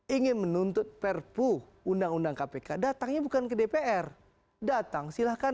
ingin menuntut perpu undang undang kpk datangnya bukan ke dpr datang silahkan